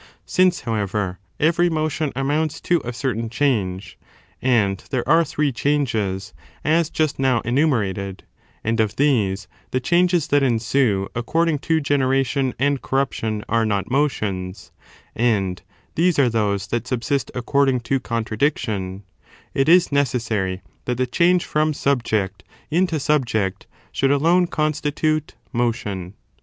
Since, however, every motion amounts to a certain change, and there are three changes, as just now enumerated, and of these the changes that ensue according to generation and corruption are not motions — and these are those that sub sist according to contradiction — it is necessary that the change from subject into subject should alone constitute motion.